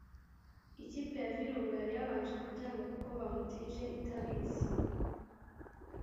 Ikipe ya Virunga yari yabanje kubyanga kuko bamutije itabizi